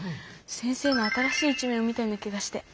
先生の新しい一面を見たような気がして。